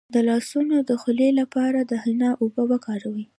د لاسونو د خولې لپاره د حنا اوبه وکاروئ